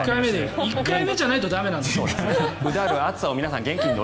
１回目じゃないと駄目なんです。